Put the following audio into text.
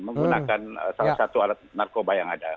menggunakan salah satu alat narkoba yang ada